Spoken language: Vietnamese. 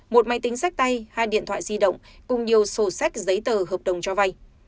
một máy tính sách tay hai điện thoại di động cùng nhiều sổ sách giấy tờ hợp đồng cho vay